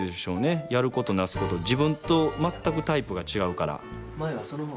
やることなすこと自分と全くタイプが違うから。